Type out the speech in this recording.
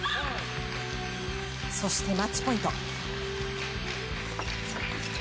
そしてマッチポイント。